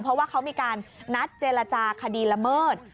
เพราะว่าเขามีการนัดเจรจาคดีละเมิด